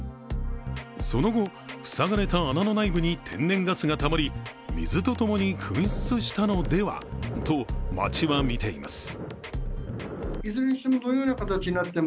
その後、塞がれた穴の内部に天然ガスがたまり、水とともに噴出したのではと町は見ています。